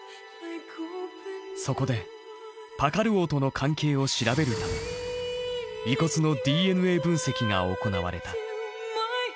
そこでパカル王との関係を調べるため遺骨のＤＮＡ分析が行われた。